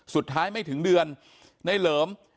สุดท้ายไม่ถึงเดือนในเหลิม